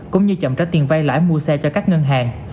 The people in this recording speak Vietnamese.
cũng như chậm trả tiền vay lãi mua xe cho các ngân hàng